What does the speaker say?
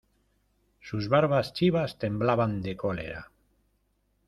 sus barbas chivas temblaban de cólera: